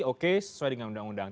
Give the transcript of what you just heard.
oke sesuai dengan undang undang